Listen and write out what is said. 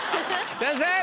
先生！